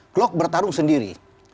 klok bertarung sendiri